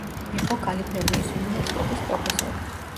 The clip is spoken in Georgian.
იყო კალიფორნიის უნივერსიტეტის პროფესორი.